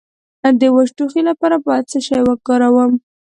د وچ ټوخي لپاره باید څه شی وکاروم؟